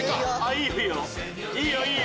いいよいいよ。